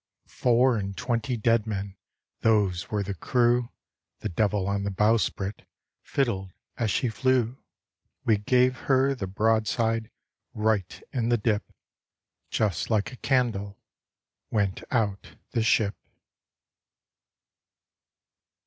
Four and twenty dead men. Those were the crew. The devil on the bowsprit, Fiddled as she flew, We gave her the broadside, Right in the dtp. Just like a candle. Went out the ship.